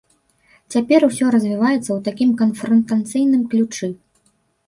Цяпер усё развіваецца ў такім канфрантацыйным ключы.